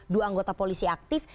dua anggota polisi aktif